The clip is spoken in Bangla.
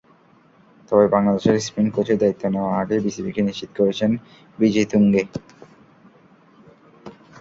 তবে বাংলাদেশের স্পিন কোচের দায়িত্ব নেওয়া আগেই বিসিবিকে নিশ্চিত করেছেন বিজেতুঙ্গে।